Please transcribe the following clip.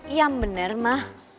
iya bener ma